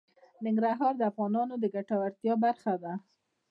ننګرهار د افغانانو د ګټورتیا برخه ده.